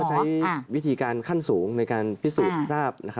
ใช้วิธีการขั้นสูงในการพิสูจน์ทราบ